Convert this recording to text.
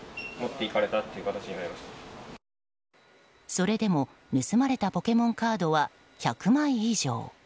それでも盗まれたポケモンカードは１００枚以上。